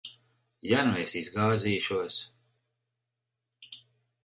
Ja nu es izgāzīšos?